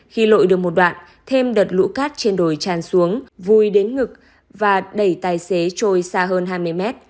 khi lội được một đoạn thêm đợt lũ cát trên đồi tràn xuống vùi đến ngực và đẩy tài xế trôi xa hơn hai mươi mét